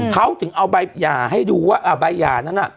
เขาถึงเอาใบหย่าให้ดูว่าใบหย่านั้นน่ะ